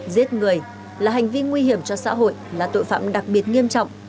giết người là hành vi nguy hiểm cho xã hội là tội phạm đặc biệt nghiêm trọng